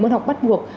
môn học bắt buộc